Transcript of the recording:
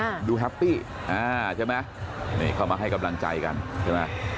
ดูแฮปปี้อ่าใช่ไหมนี่เข้ามาให้กำลังใจกันใช่ไหม